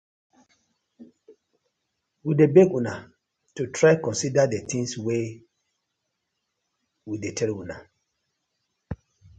We dey beg una to try consider the tinz wey we dey tell una.